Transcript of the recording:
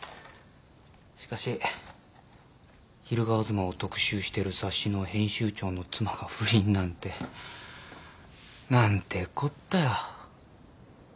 しかし昼顔妻を特集してる雑誌の編集長の妻が不倫なんて何てこったよ。